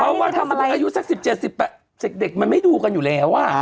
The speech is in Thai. เพราะว่าถ้ามันเป็นอายุแสดกสิบเจ็ดสิบแปดเจ็ดเด็กมันไม่ดูกันอยู่แล้วอ่า